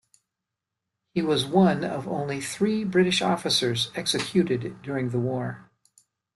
He was one of only three British officers executed during the war.